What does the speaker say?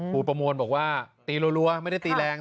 ประมวลบอกว่าตีรัวไม่ได้ตีแรง